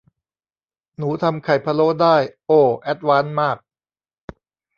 หนูทำไข่พะโล้ได้ โอ้ แอดวานซ์มาก